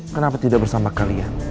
kenapa tidak bersama kalian